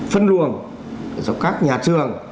phân luồng cho các nhà trường